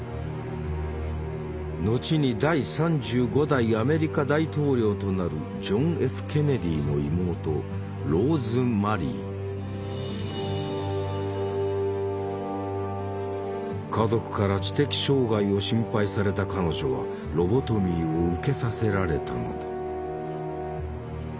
後に第３５代アメリカ大統領となるジョン・Ｆ・ケネディの妹家族から知的障害を心配された彼女はロボトミーを受けさせられたのだ。